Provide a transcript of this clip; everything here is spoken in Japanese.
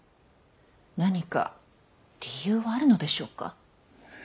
何か理由はあるのでしょうか？